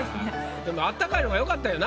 でも温かいのがよかったよな。